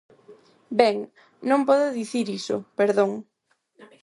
Ben, non podo dicir iso, perdón.